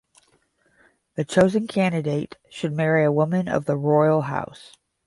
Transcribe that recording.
The chosen candidate should marry a woman of the royal house.